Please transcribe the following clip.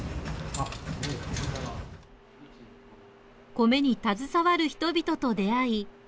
米に携わる人々と出会い